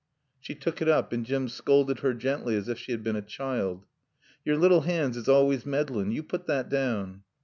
She took it up, and Jim scolded her gently as if she had been a child. "Yore lil haands is always maddlin'. Yo' put thot down."